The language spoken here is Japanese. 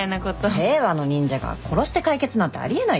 令和の忍者が殺して解決なんてあり得ないでしょ。